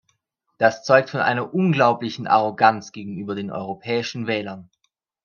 Das zeugt von einer unglaublichen Arroganz gegenüber den europäischen Wählern.